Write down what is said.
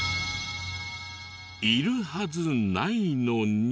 いるはずないのに。